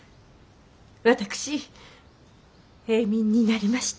私平民になりました。